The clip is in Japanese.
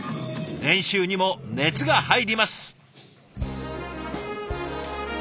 練習にも熱が入ります。